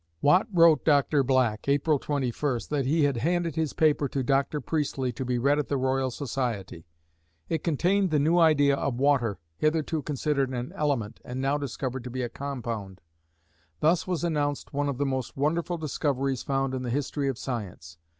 Watt wrote Dr. Black, April 21st, that he had handed his paper to Dr. Priestley to be read at the Royal Society. It contained the new idea of water, hitherto considered an element and now discovered to be a compound. Thus was announced one of the most wonderful discoveries found in the history of science.